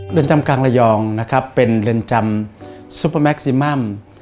เรือนจำกลางระยองนะครับเป็นเรือนจำซุปเปอร์แม็กซิมัม